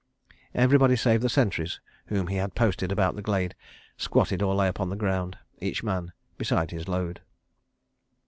... Everybody, save the sentries, whom he had posted about the glade, squatted or lay upon the ground, each man beside his load.